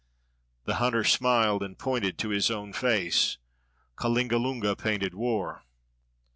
The hunter smiled, and pointed to his own face: "Kalingalunga painted war."